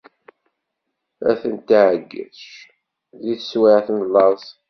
Ad ten-iɛeyyec di teswiɛt n laẓ.